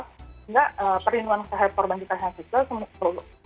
sehingga perlindungan sehat korban juga keterasan seksual